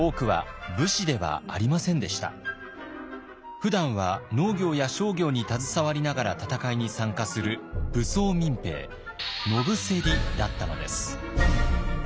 ふだんは農業や商業に携わりながら戦いに参加する武装民兵野伏だったのです。